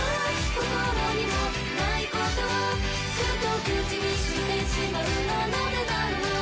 心にもないことをふと口にしてしまうのは何故だろう？